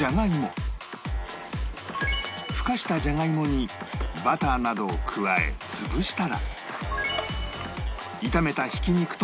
ふかしたじゃがいもにバターなどを加え潰したら